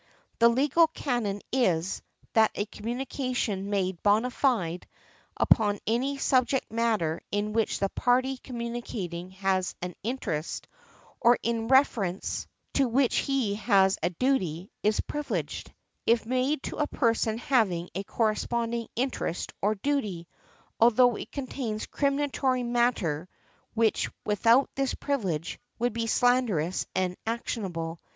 The legal canon is, that a communication made bona fide, upon any subject matter in which the party communicating has an interest, or in reference to which he has a duty, is privileged, if made to a person having a corresponding interest or duty, although it contains criminatory matter, which (without this privilege) would be slanderous and actionable.